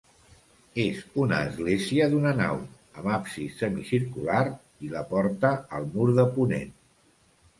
És una església d'una nau, amb absis semicircular, i la porta al mur de ponent.